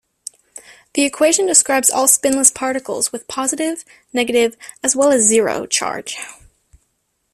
The equation describes all spinless particles with positive, negative as well as zero charge.